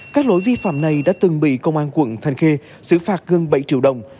các lỗi vi phạm này đã từng bị công an quận thanh khê xử phạt gần bảy triệu đồng